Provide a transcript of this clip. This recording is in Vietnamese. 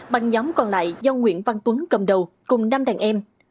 băng nhóm còn lại do nguyễn văn tuấn cầm đầu cùng năm đàn em